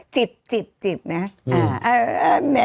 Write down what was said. จิบนะ